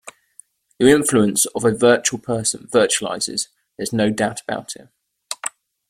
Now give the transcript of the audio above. The influence of a vital person vitalizes, there's no doubt about it.